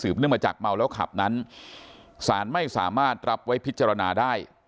เนื่องมาจากเมาแล้วขับนั้นสารไม่สามารถรับไว้พิจารณาได้